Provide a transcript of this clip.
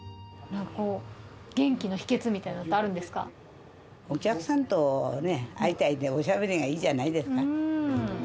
元気の秘けつみたいのってあお客さんとね、相対でおしゃべりがいいじゃないですか。